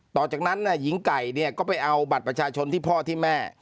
ต่อจากนั้นหญิงไก่ก็ไปเอาบัตรประชาชนที่พ่อที่แม่